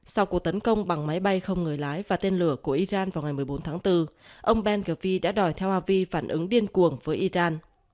sau cuộc tấn công bằng máy bay không người lái và tên lửa của iran vào ngày một mươi bốn tháng bốn ông ben ghvi đã đòi theo avi phản ứng điên cuồng với iran